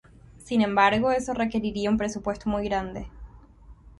Sin embargo, eso requeriría un presupuesto muy grande.